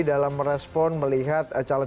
dalam merespon melihat calon